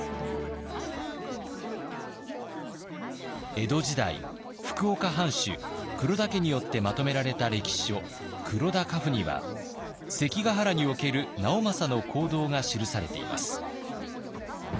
江戸時代福岡藩主黒田家によってまとめられた歴史書「黒田家譜」には関ヶ原における直政の行動が記されています。